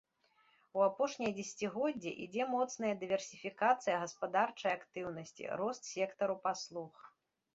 У апошнія дзесяцігоддзі ідзе моцная дыверсіфікацыя гаспадарчай актыўнасці, рост сектару паслуг.